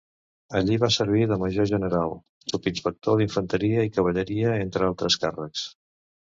Allí va servir de Major General, sotsinspector d'Infanteria i Cavalleria, entre altres càrrecs.